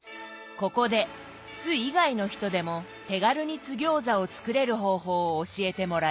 ここで津以外の人でも手軽に津ぎょうざを作れる方法を教えてもらいます。